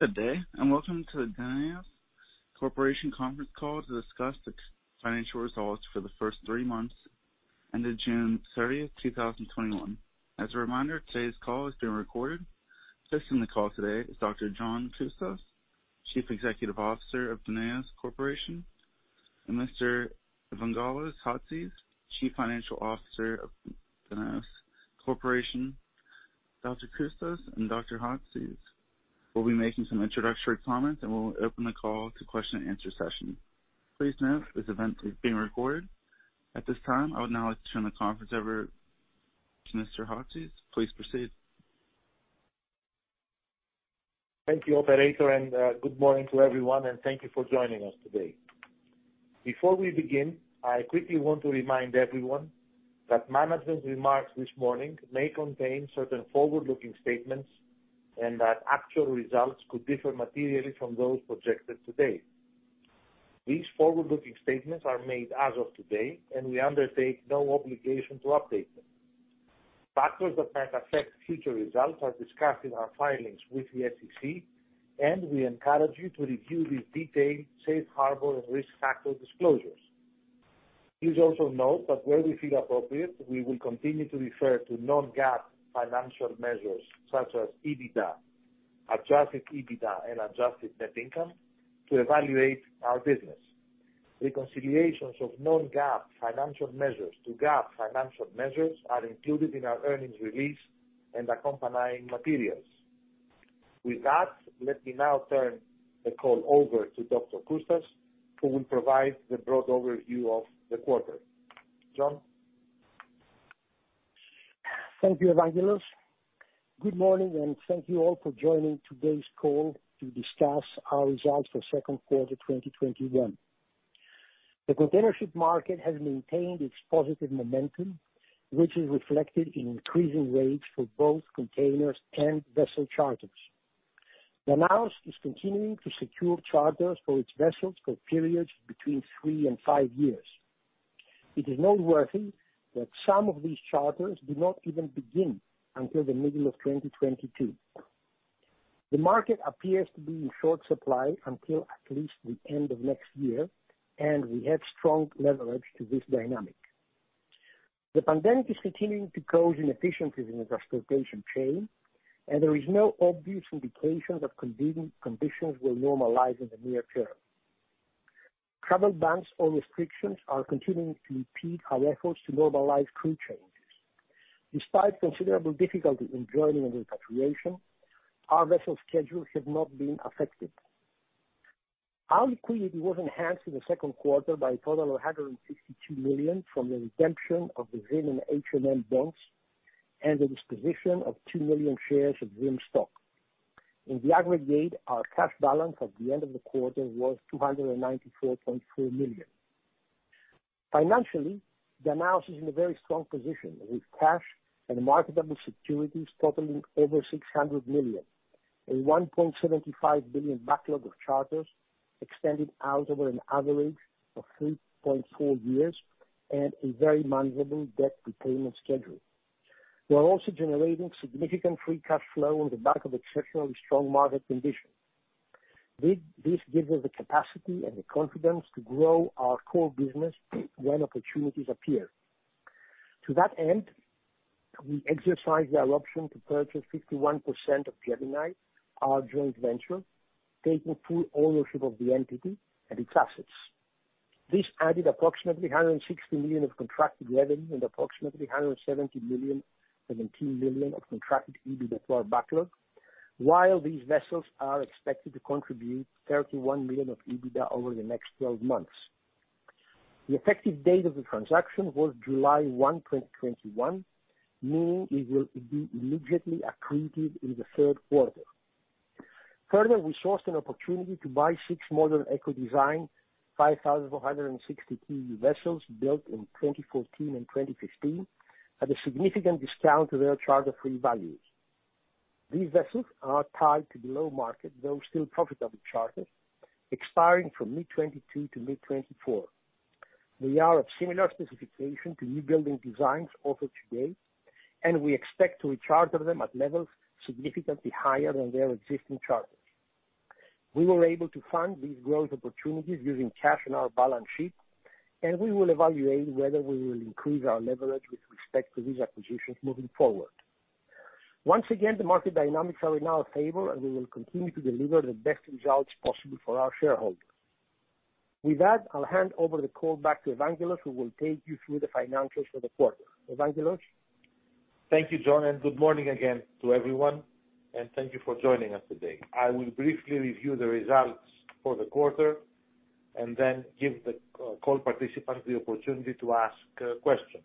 Good day and welcome to Danaos Corporation conference call to discuss the financial results for the first three months ended June 30th, 2021. As a reminder, today's call is being recorded. Participating in the call today is Dr. John Coustas, Chief Executive Officer of Danaos Corporation, and Mr. Evangelos Chatzis, Chief Financial Officer of Danaos Corporation. Dr. Coustas and Mr. Chatzis will be making some introductory comments, and we'll open the call to question and answer session. Please note this event is being recorded. At this time, I would now like to turn the conference over to Mr. Chatzis. Please proceed. Thank you, operator, and good morning to everyone, and thank you for joining us today. Before we begin, I quickly want to remind everyone that management's remarks this morning may contain certain forward-looking statements and that actual results could differ materially from those projected today. These forward-looking statements are made as of today, and we undertake no obligation to update them. Factors that might affect future results are discussed in our filings with the SEC, and we encourage you to review these detailed safe harbor and risk factor disclosures. Please also note that where we feel appropriate, we will continue to refer to non-GAAP financial measures such as EBITDA, adjusted EBITDA, and adjusted net income to evaluate our business. Reconciliations of non-GAAP financial measures to GAAP financial measures are included in our earnings release and accompanying materials. With that, let me now turn the call over to Dr. Coustas, who will provide the broad overview of the quarter. John? Thank you, Evangelos. Good morning, and thank you all for joining today's call to discuss our results for second quarter 2021. The containership market has maintained its positive momentum, which is reflected in increasing rates for both containers and vessel charters. Danaos is continuing to secure charters for its vessels for periods between three and five years. It is noteworthy that some of these charters do not even begin until the middle of 2022. The market appears to be in short supply until at least the end of next year, and we add strong leverage to this dynamic. The pandemic is continuing to cause inefficiencies in the transportation chain, and there is no obvious indication that conditions will normalize in the near term. Travel bans or restrictions are continuing to impede our efforts to normalize crew changes. Despite considerable difficulty in joining and repatriation, our vessel schedules have not been affected. Our liquidity was enhanced in the second quarter by a total of $162 million from the redemption of the ZIM and HMM loans and the disposition of 2 million shares of ZIM stock. In the aggregate, our cash balance at the end of the quarter was $294.4 million. Financially, Danaos is in a very strong position with cash and marketable securities totaling over $600 million, a $1.75 billion backlog of charters extending out over an average of three point four years, and a very manageable debt repayment schedule. We are also generating significant free cash flow on the back of exceptionally strong market conditions. This gives us the capacity and the confidence to grow our core business when opportunities appear. To that end, we exercised our option to purchase 51% of Gemini, our joint venture, taking full ownership of the entity and its assets. This added approximately $160 million of contracted revenue and approximately $117 million of contracted EBITDA to our backlog, while these vessels are expected to contribute $31 million of EBITDA over the next 12 months. The effective date of the transaction was July 1, 2021, meaning it will be immediately accretive in the third quarter. Further, we sourced an opportunity to buy six modern eco design 5,460 TEU vessels built in 2014 and 2015 at a significant discount to their charter-free values. These vessels are tied to below market, though still profitable charters expiring from mid 2022 to mid 2024. They are of similar specification to newbuilding designs offered today, and we expect to re-charter them at levels significantly higher than their existing charters. We were able to fund these growth opportunities using cash on our balance sheet, and we will evaluate whether we will increase our leverage with respect to these acquisitions moving forward. Once again, the market dynamics are in our favor, and we will continue to deliver the best results possible for our shareholders. With that, I will hand over the call back to Evangelos, who will take you through the financials for the quarter. Evangelos? Thank you, John, and good morning again to everyone, and thank you for joining us today. I will briefly review the results for the quarter and then give the call participants the opportunity to ask questions.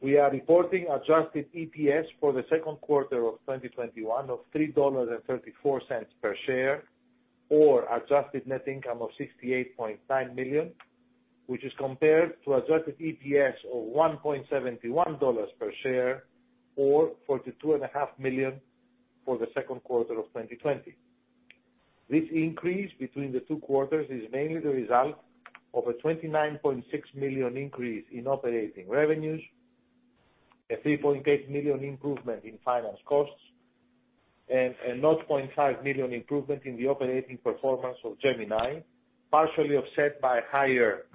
We are reporting adjusted EPS for the second quarter of 2021 of $3.34 per share or adjusted net income of $68.9 million, which is compared to adjusted EPS of $1.71 per share or $42.5 million for the second quarter of 2020. This increase between the two quarters is mainly the result of a $29.6 million increase in operating revenues, a $3.8 million improvement in finance costs and a $0.5 million improvement in the operating performance of Gemini, partially offset by higher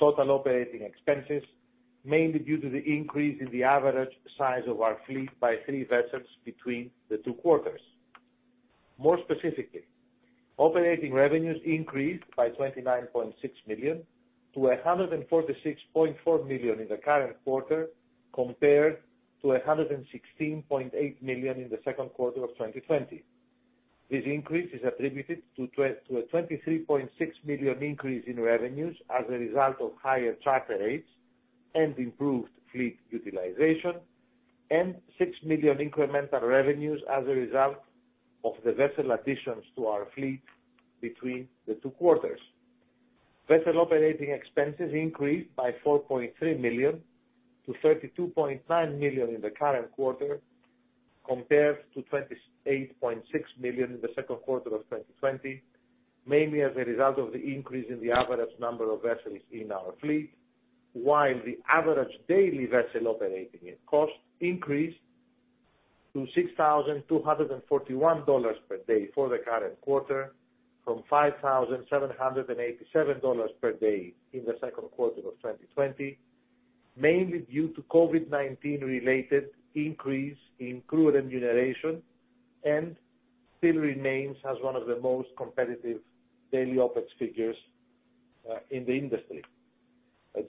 total operating expenses, mainly due to the increase in the average size of our fleet by three vessels between the two quarters. More specifically, operating revenues increased by $29.6 million to $146.4 million in the current quarter compared to $116.8 million in the second quarter of 2020. This increase is attributed to a $23.6 million increase in revenues as a result of higher charter rates and improved fleet utilization, and $6 million incremental revenues as a result of the vessel additions to our fleet between the two quarters. Vessel operating expenses increased by $4.3 million to $32.9 million in the current quarter compared to $28.6 million in the second quarter of 2020, mainly as a result of the increase in the average number of vessels in our fleet, while the average daily vessel operating cost increased to $6,241 per day for the current quarter from $5,787 per day in the second quarter of 2020, mainly due to COVID-19 related increase in crew remuneration, and still remains as one of the most competitive daily operating figures in the industry.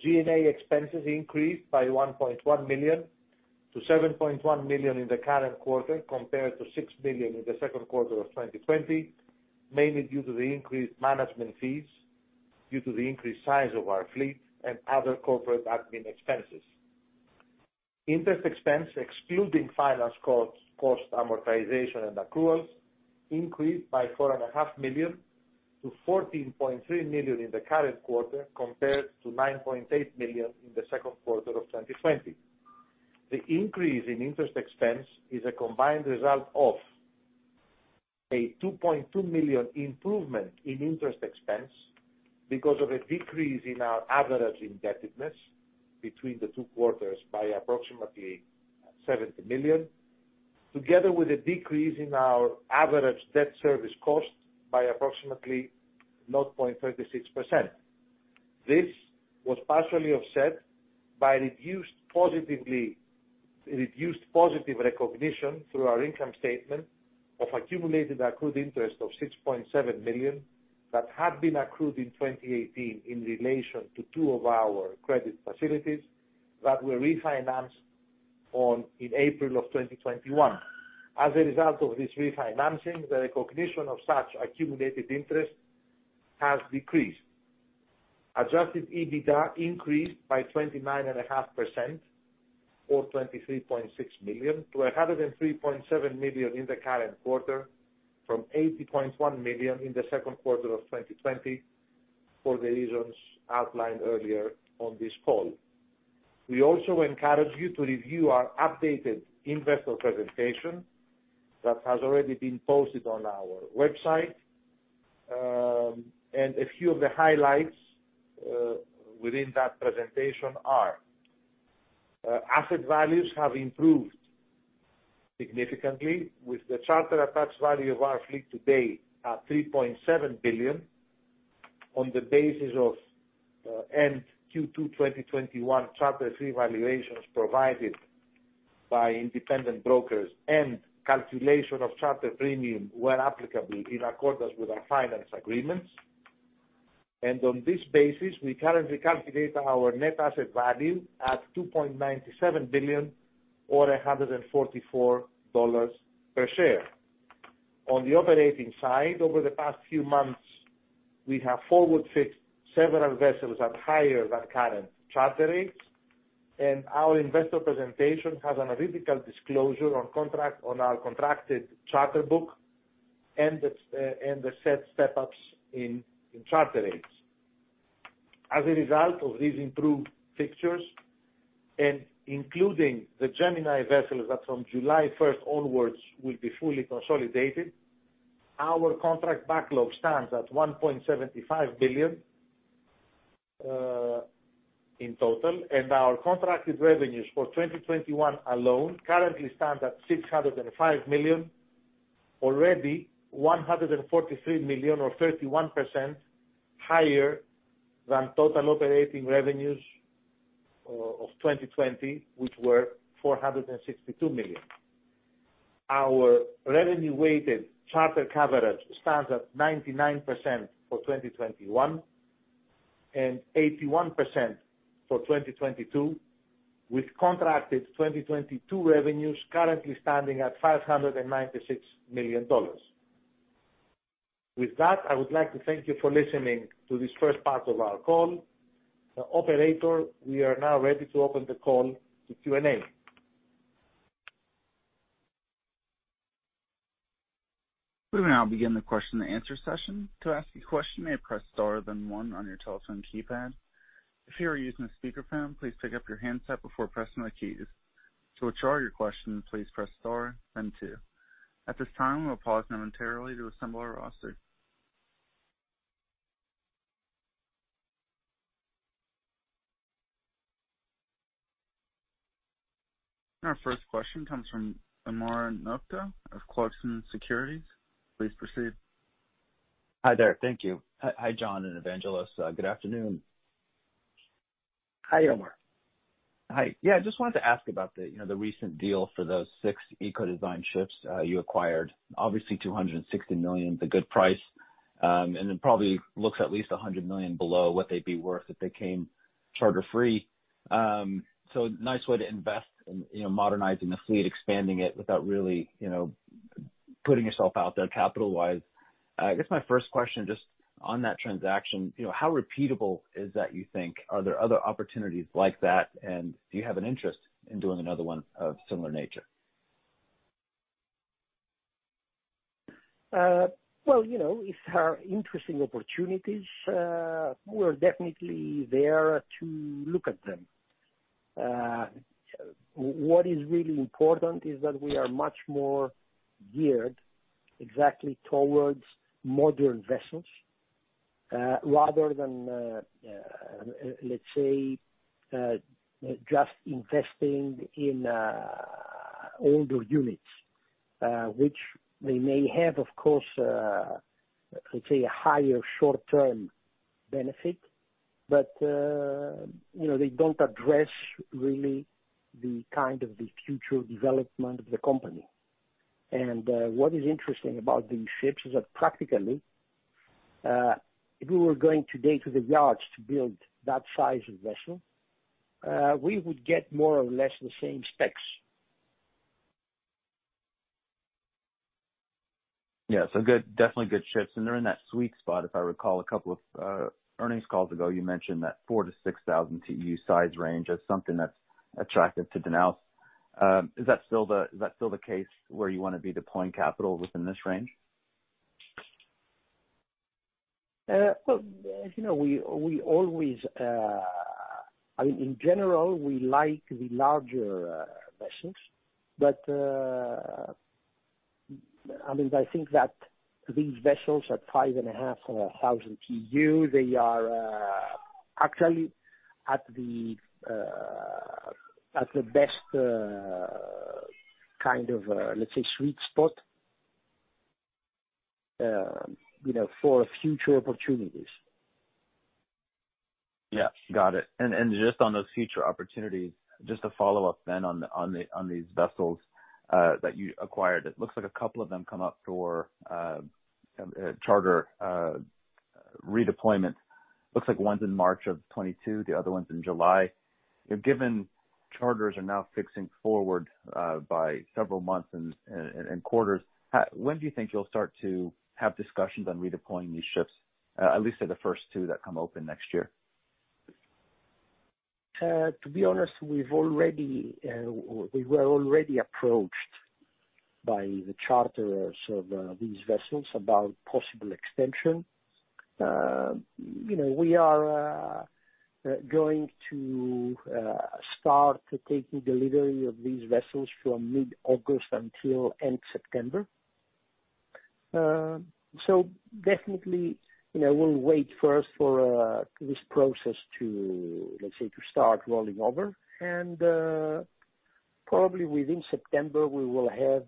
G&A expenses increased by $1.1 million to $7.1 million in the current quarter compared to $6 million in the second quarter of 2020, mainly due to the increased management fees due to the increased size of our fleet and other corporate admin expenses. Interest expense excluding finance cost amortization and accruals increased by $4.5 million to $14.3 million in the current quarter compared to $9.8 million in the second quarter of 2020. The increase in interest expense is a combined result of a $2.2 million improvement in interest expense because of a decrease in our average indebtedness between the two quarters by approximately $70 million, together with a decrease in our average debt service cost by approximately 0.36%. This was partially offset by reduced positive recognition through our income statement of accumulated accrued interest of $6.7 million that had been accrued in 2018 in relation to two of our credit facilities that were refinanced in April of 2021. As a result of this refinancing, the recognition of such accumulated interest has decreased. Adjusted EBITDA increased by 29.5% or $23.6 million to $103.7 million in the current quarter from $80.1 million in the second quarter of 2020 for the reasons outlined earlier on this call. We also encourage you to review our updated investor presentation that has already been posted on our website. A few of the highlights within that presentation are asset values have improved significantly with the charter attached value of our fleet today at $3.7 billion on the basis of end Q2 2021 charter-free valuations provided by independent brokers and calculation of charter premium where applicable in accordance with our finance agreements. On this basis, we currently calculate our net asset value at $2.97 billion or $144 per share. On the operating side, over the past few months, we have forward fixed several vessels at higher than current charter rates, and our investor presentation has an empirical disclosure on our contracted charter book and the said step-ups in charter rates. As a result of these improved fixtures and including the Gemini vessels that from July 1st onwards will be fully consolidated, our contract backlog stands at $1.75 billion in total, and our contracted revenues for 2021 alone currently stand at $605 million, already $143 million or 31% higher than total operating revenues of 2020, which were $462 million. Our revenue-weighted charter coverage stands at 99% for 2021 and 81% for 2022, with contracted 2022 revenues currently standing at $596 million. With that, I would like to thank you for listening to this first part of our call. Operator, we are now ready to open the call to Q&A. We now begin question and answer session. To ask a question press star then one on your telephone keypad. If you are using a speakerphone please pick up your handset before pressing the keys, to withdraw your question press star then two. At this time, we'll pause momentarily to assemble our Q&A roster. Our first question comes from Omar Nokta of Clarksons Securities. Please proceed. Hi there. Thank you. Hi, John and Evangelos. Good afternoon. Hi, Omar. Hi. Yeah, I just wanted to ask about the recent deal for those six eco-designed ships you acquired. Obviously, $260 million is a good price, and it probably looks at least $100 million below what they'd be worth if they came charter-free. A nice way to invest in modernizing the fleet, expanding it without really putting yourself out there capital-wise. I guess my first question, just on that transaction, how repeatable is that, you think? Are there other opportunities like that, and do you have an interest in doing another one of similar nature? Well, if there are interesting opportunities, we're definitely there to look at them. What is really important is that we are much more geared exactly towards modern vessels, rather than, let's say, just investing in older units, which they may have, of course, let's say, a higher short-term benefit. They don't address really the future development of the company. What is interesting about these ships is that practically, if we were going today to the yards to build that size of vessel, we would get more or less the same specs. Yeah. Definitely good ships. They're in that sweet spot, if I recall a couple of earnings calls ago, you mentioned that 4,000 to 6,000 TEU size range as something that's attractive to Danaos. Is that still the case where you want to be deploying capital within this range? Well, in general, we like the larger vessels, I think that these vessels are 5,500 or 1,000 TEU. They are actually at the best, let's say, sweet spot for future opportunities. Yeah, got it. Just on those future opportunities, just to follow up then on these vessels that you acquired, it looks like a couple of them come up for charter redeployment. Looks like one's in March of 2022, the other one's in July. Given charters are now fixing forward by several months and quarters, when do you think you'll start to have discussions on redeploying these ships, at least say the first two that come open next year? To be honest, we were already approached by the charterers of these vessels about possible extension. We are going to start taking delivery of these vessels from mid-August until end September. Definitely, we'll wait first for this process to start rolling over. Probably within September, we will have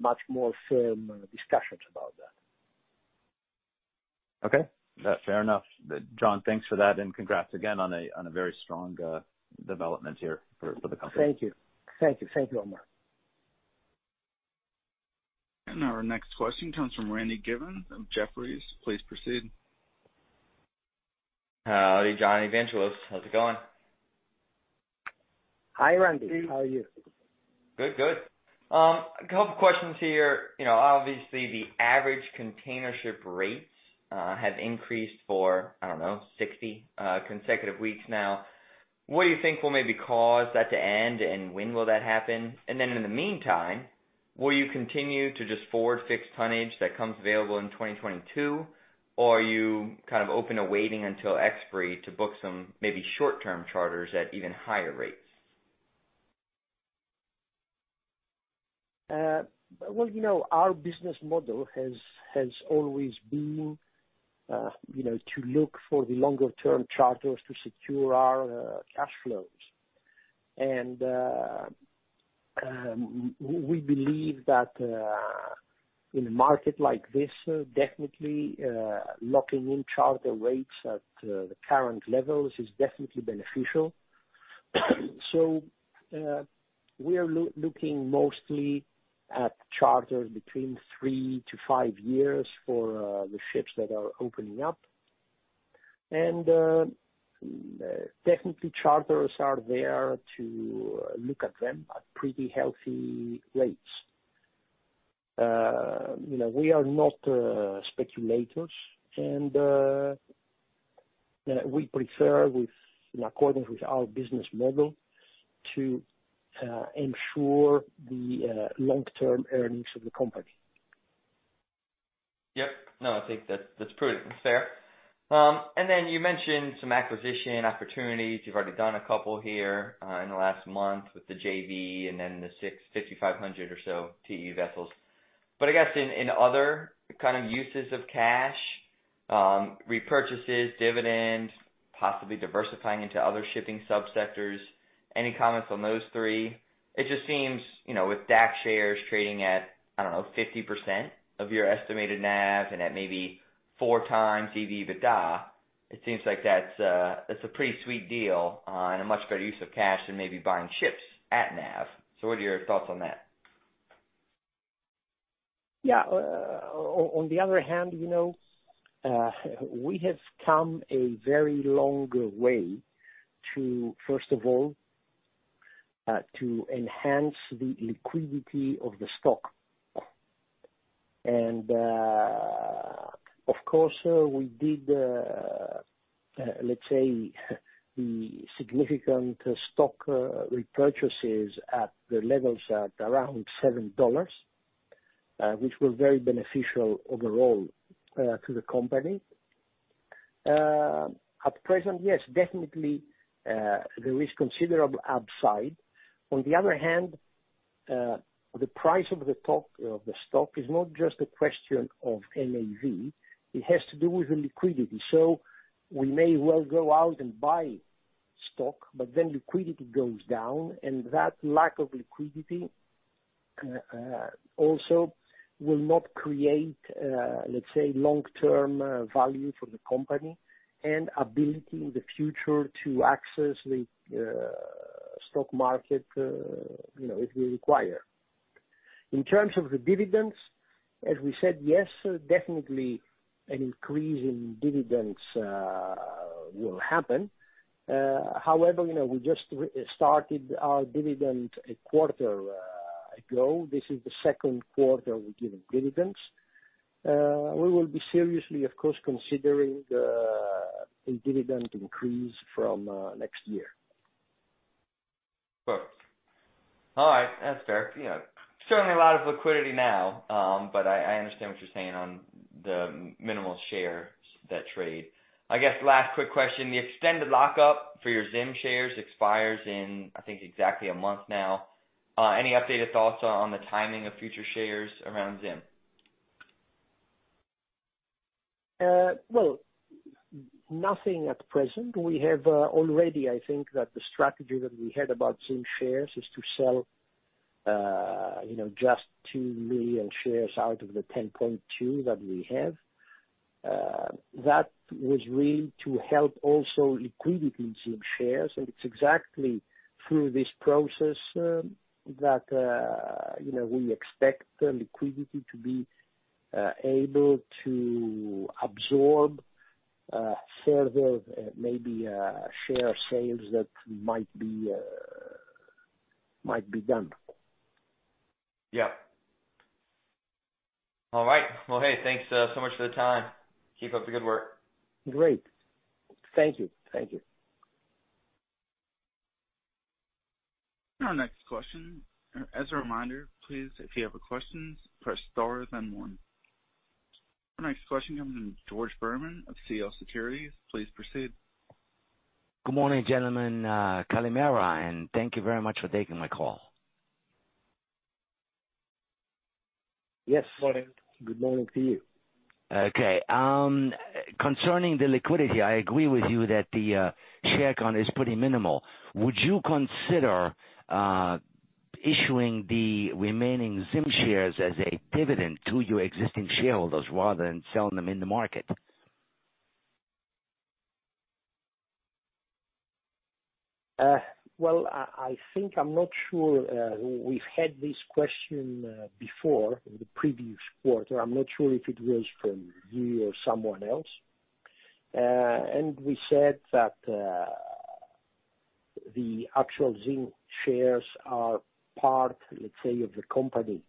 much more firm discussions about that. Okay. Fair enough. John, thanks for that and congrats again on a very strong development here for the company. Thank you, Omar. Our next question comes from Randy Giveans of Jefferies. Please proceed. Howdy, John Evangelos. How's it going? Hi, Randy. How are you? Good. A couple of questions here. Obviously, the average containership rates have increased for, I don't know, 60 consecutive weeks now. What do you think will maybe cause that to end, and when will that happen? In the meantime, will you continue to just forward fix tonnage that comes available in 2022? Are you kind of open to waiting until expiry to book some maybe short-term charters at even higher rates? Well, our business model has always been to look for the longer term charters to secure our cash flows. We believe that in a market like this, definitely, locking in charter rates at the current levels is definitely beneficial. We are looking mostly at charters between three to five years for the ships that are opening up. Definitely, charters are there to look at them at pretty healthy rates. We are not speculators and we prefer in accordance with our business model to ensure the long-term earnings of the company. Yep. No, I think that's fair. You mentioned some acquisition opportunities. You've already done a couple here in the last month with the JV and then the six 5,500 or so TEU vessels. I guess in other kind of uses of cash, repurchases, dividends, possibly diversifying into other shipping sub-sectors, any comments on those three? It just seems, with DAC shares trading at, I don't know, 50% of your estimated NAV and at maybe four times EV to EBITDA, it seems like that's a pretty sweet deal and a much better use of cash than maybe buying ships at NAV. What are your thoughts on that? On the other hand, we have come a very long way to, first of all, enhance the liquidity of the stock. Of course, we did, let's say, the significant stock repurchases at the levels at around $7, which was very beneficial overall, to the company. At present, yes, definitely there is considerable upside. On the other hand, the price of the stock is not just a question of NAV, it has to do with the liquidity. We may well go out and buy stock, but then liquidity goes down, and that lack of liquidity also will not create, let's say, long-term value for the company and ability in the future to access the stock market if we require. In terms of the dividends, as we said, yes, definitely an increase in dividends will happen. We just started our dividend a quarter ago. This is the second quarter we're giving dividends. We will be seriously, of course, considering a dividend increase from next year. Sure. All right. That's fair. Certainly a lot of liquidity now. I understand what you're saying on the minimal shares that trade. I guess last quick question. The extended lock-up for your ZIM shares expires in, I think, exactly a month now. Any updated thoughts on the timing of future shares around ZIM? Well, nothing at present. We have already, I think that the strategy that we had about ZIM shares is to sell just 2 million shares out of the 10.2 that we have. That was really to help also liquidity in ZIM shares, and it's exactly through this process that we expect the liquidity to be able to absorb further maybe share sales that might be done. Yeah. All right. Well, hey, thanks so much for the time. Keep up the good work. Great. Thank you. Our next question. As a reminder, please, if you have a question, press star then one. Our next question comes from George Berman of CL Securities. Please proceed. Good morning, gentlemen. Kalimera, and thank you very much for taking my call. Yes. Morning. Good morning to you. Okay. Concerning the liquidity, I agree with you that the share count is pretty minimal. Would you consider issuing the remaining ZIM shares as a dividend to your existing shareholders rather than selling them in the market? Well, I think I'm not sure. We've had this question before in the previous quarter. I'm not sure if it was from you or someone else. We said that the actual ZIM shares are part, let's say, of the company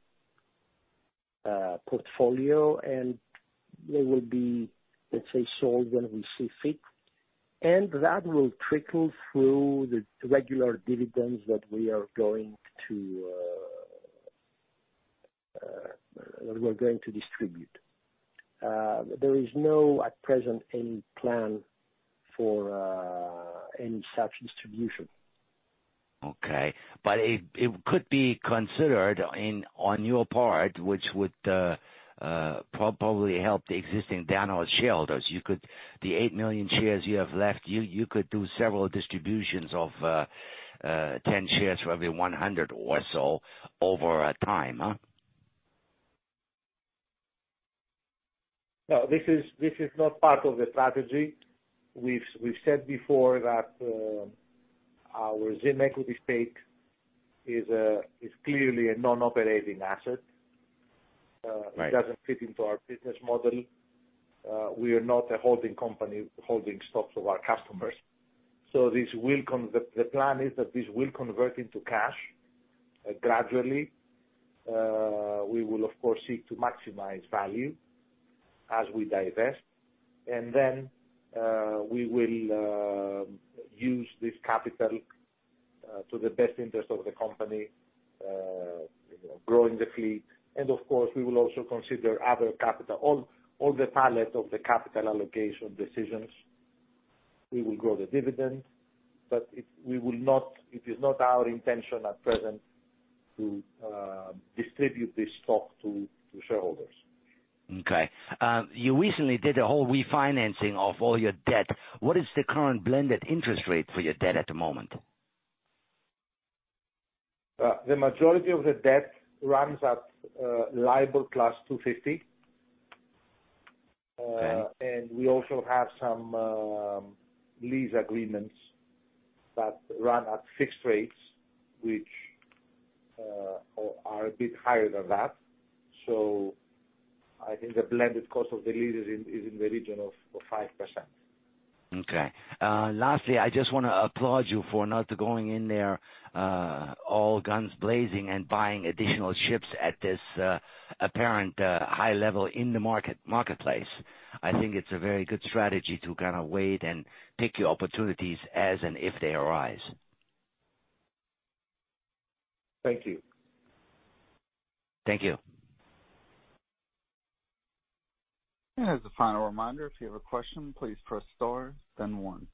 portfolio, and they will be, let's say, sold when we see fit. That will trickle through the regular dividends that we're going to distribute. There is no, at present, any plan for any such distribution. Okay. It could be considered on your part, which would probably help the existing Danaos shareholders. The 8 million shares you have left, you could do several distributions of 10 shares for every 100 or so over a time, huh? No, this is not part of the strategy. We've said before that our ZIM equity stake is clearly a non-operating asset. Right. It doesn't fit into our business model. We are not a holding company holding stocks of our customers. The plan is that this will convert into cash gradually. We will, of course, seek to maximize value as we divest. We will use this capital to the best interest of the company, growing the fleet. Of course, we will also consider other capital, all the palette of the capital allocation decisions. We will grow the dividend, but it is not our intention at present to distribute this stock to shareholders. Okay. You recently did a whole refinancing of all your debt. What is the current blended interest rate for your debt at the moment? The majority of the debt runs at LIBOR +250. Okay. We also have some lease agreements that run at fixed rates, which are a bit higher than that. I think the blended cost of the leases is in the region of 5%. Okay. Lastly, I just want to applaud you for not going in there all guns blazing and buying additional ships at this apparent high level in the marketplace. I think it's a very good strategy to kind of wait and pick your opportunities as and if they arise. Thank you. Thank you. As a final reminder, if you have a question, please press star, then one.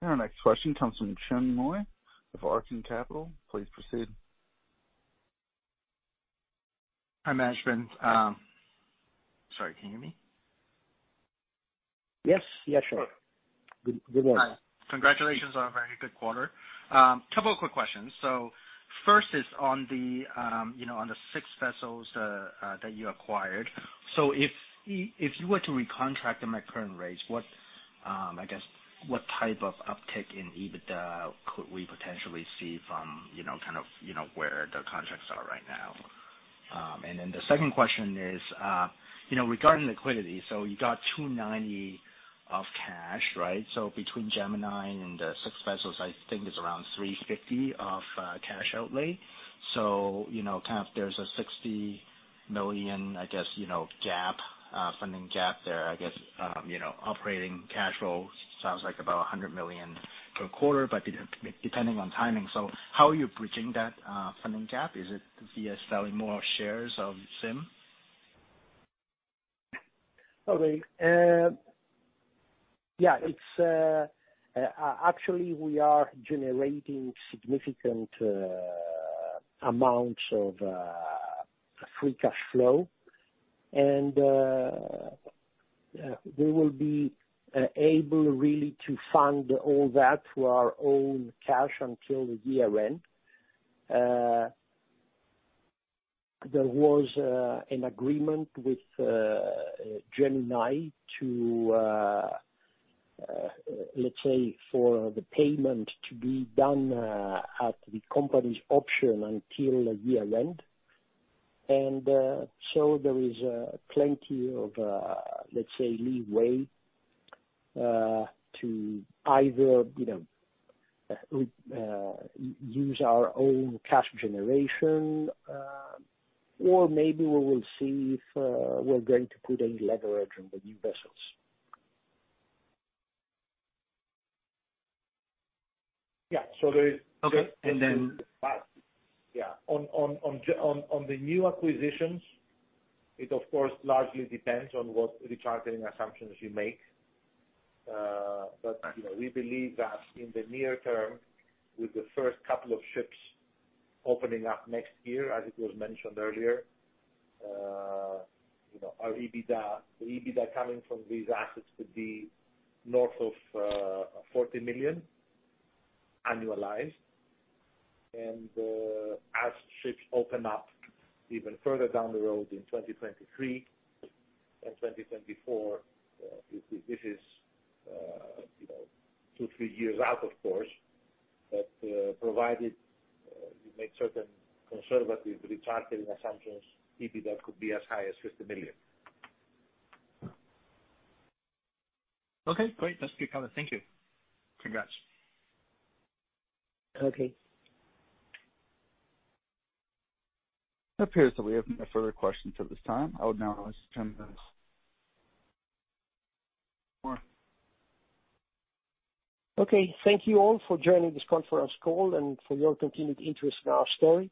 Our next question comes from Chen Mui of Arkham Capital. Please proceed. Hi, management. Sorry, can you hear me? Yes. Sure. Good morning. Hi. Congratulations on a very good quarter. Couple of quick questions. First is on the six vessels that you acquired. If you were to recontract them at current rates, I guess, what type of uptick in EBITDA could we potentially see from where the contracts are right now? The second question is regarding liquidity. You got $290 of cash, right? Between Gemini and the six vessels, I think it's around $350 of cash outlay. There's a $60 million, I guess, funding gap there. I guess operating cash flow sounds like about $100 million per quarter, but depending on timing. How are you bridging that funding gap? Is it via selling more shares of ZIM? Okay. Yeah. Actually, we are generating significant amounts of free cash flow. We will be able really to fund all that through our own cash until the year end. There was an agreement with Gemini to, let's say, for the payment to be done at the company's option until the year end. There is plenty of, let's say, leeway to either use our own cash generation or maybe we will see if we're going to put any leverage on the new vessels. Yeah. Okay. Yeah. On the new acquisitions, it of course largely depends on what rechartering assumptions you make. We believe that in the near term, with the first couple of ships opening up next year, as it was mentioned earlier, our EBITDA coming from these assets could be north of $40 million annualized. As ships open up even further down the road in 2023 and 2024, this is two, three years out, of course. Provided you make certain conservative rechartering assumptions, EBITDA could be as high as $50 million. Okay, great. That's good color. Thank you. Congrats. Okay. It appears that we have no further questions at this time. I will now host attendance. Thank you all for joining this conference call and for your continued interest in our story.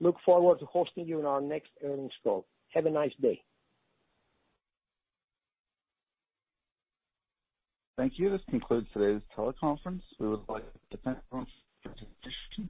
Look forward to hosting you on our next earnings call. Have a nice day. Thank you. This concludes today's teleconference. We would like the participants to disconnect.